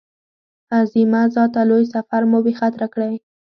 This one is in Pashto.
عظیمه ذاته لوی سفر مو بې خطره کړې.